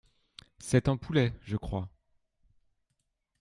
C’est un poulet, je crois.